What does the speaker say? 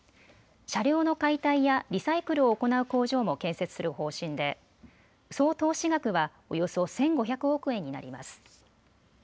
車両の解体やリサイクルを行う工場も建設する方針で総投資額は、およそ１５００億円になります。